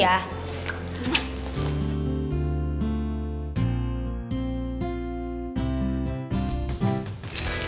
sampai jumpa megan